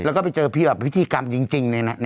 แล้วก็ไปเจอพี่แบบวิธีกรรมจริงในนั้น